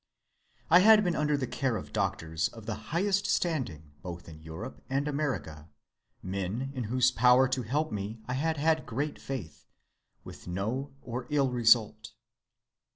I had been under the care of doctors of the highest standing both in Europe and America, men in whose power to help me I had had great faith, with no or ill result.